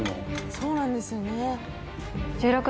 そうなんですよね。